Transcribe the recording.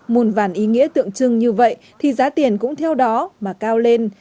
muôn vàn ý nghĩa tượng trưng như vậy thì giá tiền cũng theo đó mà cao lên